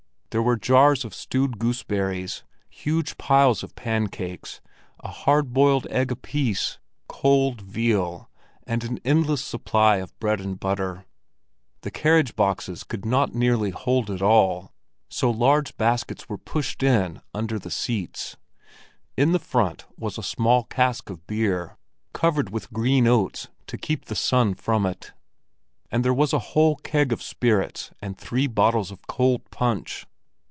There were jars of stewed gooseberries, huge piles of pancakes, a hard boiled egg apiece, cold veal and an endless supply of bread and butter. The carriage boxes could not nearly hold it all, so large baskets were pushed in under the seats. In the front was a small cask of beer, covered with green oats to keep the sun from it; and there was a whole keg of spirits and three bottles of cold punch.